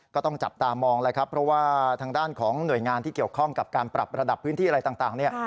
ก็ต้องจับตามองแล้วครับเพราะว่าทางด้านของหน่วยงานที่เกี่ยวข้องกับการปรับระดับพื้นที่อะไรต่างเนี่ย